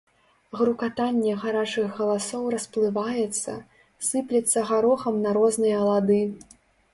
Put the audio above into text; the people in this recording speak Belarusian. Грукатанне гарачых галасоў расплываецца, сыплецца гарохам на розныя лады.